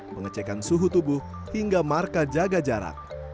pengecekan suhu tubuh hingga marka jaga jarak